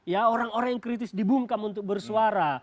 ya orang orang yang kritis dibungkam untuk bersuara